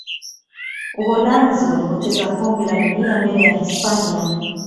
uholanzi walipoteza kombe la dunia mbele ya hispania